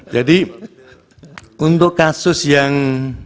jadi untuk kasus yang